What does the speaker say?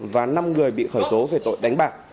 và năm người bị khởi tố về tội đánh bạc